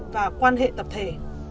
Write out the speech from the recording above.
và quan hệ tập thể